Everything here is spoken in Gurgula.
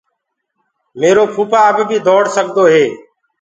ميرو ڀوپآ اب بي دوڙ سگدو هي۔